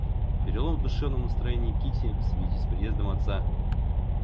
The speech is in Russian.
Перелом в душевном настроении Кити в связи с приездом отца.